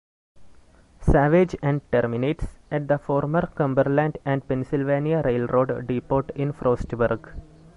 Savage, and terminates at the former Cumberland and Pennsylvania Railroad depot in Frostburg.